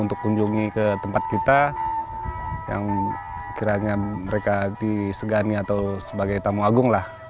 untuk kunjungi ke tempat kita yang kiranya mereka disegani atau sebagai tamu agung lah